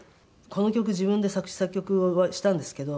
この曲自分で作詞作曲をしたんですけど